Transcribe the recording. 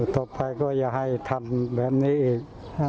ต่อไปก็อย่าให้ทำแบบนี้อีก